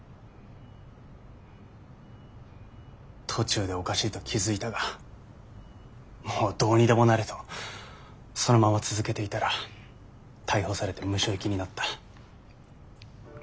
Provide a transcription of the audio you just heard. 途中でおかしいと気付いたがもうどうにでもなれとそのまま続けていたら逮捕されてムショ行きになった。